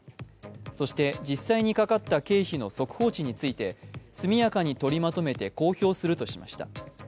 そして実際にかかった経費の速報値について速やかに取りまとめて公表するとしました。